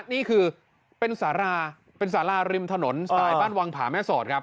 นี่คือเป็นสาราริมถนนสายบ้านวังผ่าแม่สอดครับ